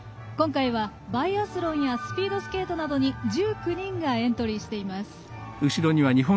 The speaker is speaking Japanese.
今回はバイアスロンやスピードスケートなどに１９人がエントリーしています。